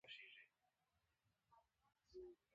څونه چي ټولنه تغير کوي؛ هغه که پرمختګ يي او که پر شاتګ.